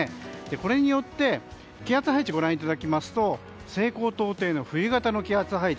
これによって気圧配置をご覧いただきますと西高東低の冬型の気圧配置。